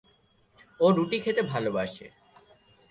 ও রুটি খেতে খুব ভালোবাসে।